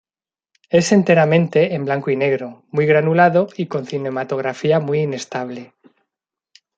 Es enteramente en blanco y negro, muy granulado y con cinematografía muy inestable.